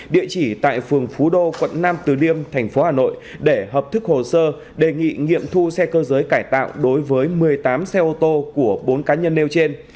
địa chỉ tại phường phú đô quận nam từ liêm thành phố hà nội để hợp thức hồ sơ đề nghị nghiệm thu xe cơ giới cải tạo đối với một mươi tám xe ô tô của bốn cá nhân nêu trên